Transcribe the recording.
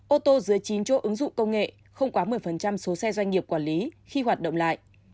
ô tô dưới chín chỗ ứng dụng công nghệ không quá một mươi số xe doanh nghiệp quản lý khi hoạt động lại